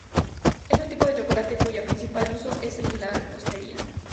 Es un tipo de chocolate cuyo principal uso es en la repostería.